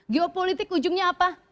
geopolitik ujungnya apa